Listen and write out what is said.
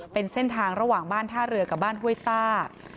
เป็นเส้นทางระหว่างบ้านท่าเรือกับบ้านห้วยต้า